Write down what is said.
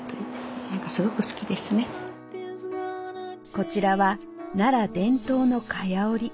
こちらは奈良伝統の蚊帳織。